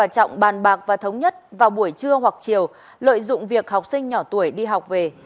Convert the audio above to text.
trọng bàn bạc và thống nhất vào buổi trưa hoặc chiều lợi dụng việc học sinh nhỏ tuổi đi học về